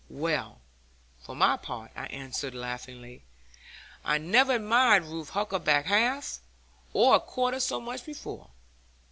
'Well, for my part,' I answered, laughing, 'I never admired Ruth Huckaback half, or a quarter so much before.